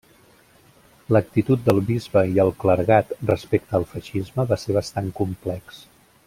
L'actitud del bisbe i el clergat respecte al feixisme va ser bastant complex.